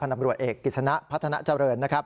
พนับรวจเอกกิจสนับพัฒนาเจริญ